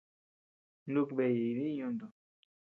Nuku beayee jidiñ yuntu.